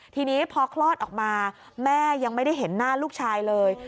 ทีนี้พอคลอดออกมาแม่ยังไม่ได้เห็นหน้าลูกชายเลย